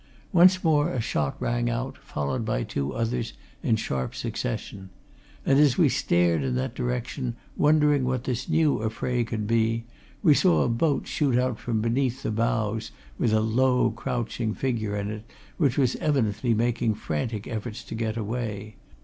Once more a shot rang out, followed by two others in sharp succession. And as we stared in that direction, wondering what this new affray could be, we saw a boat shoot out from beneath the bows, with a low, crouching figure in it which was evidently making frantic efforts to get away.